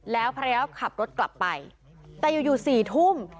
แล้วภรรยาขับรถกลับไปแต่อยู่อยู่สี่ทุ่ม